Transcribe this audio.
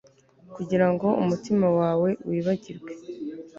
kugira ngo umutima wawe wibagirwe